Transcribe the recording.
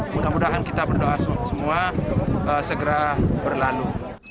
mudah mudahan kita berdoa semua segera berlalu